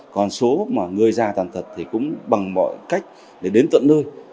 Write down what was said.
còn số người già tàn thật thì cũng bằng mọi cách để đến tận nơi